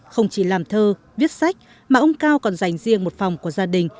không chỉ làm thơ viết sách mà ông cao còn dành riêng một phòng của gia đình